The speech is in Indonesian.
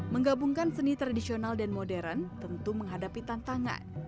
menggabungkan seni tradisional dan modern tentu menghadapi tantangan